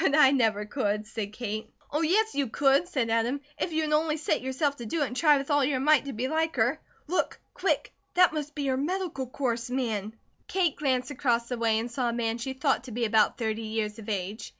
"But I never could," said Kate. "Oh, yes, you could," said Adam, "if you would only set yourself to do it and try with all your might to be like her. Look, quick! That must be her 'Medical Course' man!" Kate glanced across the way and saw a man she thought to be about thirty years of age.